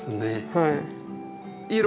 はい。